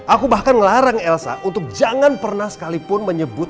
aku bahkan ngelarang elsa untuk jangan pernah sekalipun menyebut